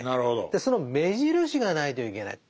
でその目印がないといけない。